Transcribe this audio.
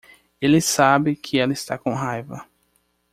Ele sabe que ela está com raiva.